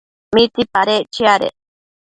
¿mitsipadec chiadec